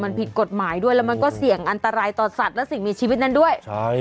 มันผิดกฎหมายด้วยแล้วมันก็เสี่ยงอันตรายต่อสัตว์และสิ่งมีชีวิตนั้นด้วยใช่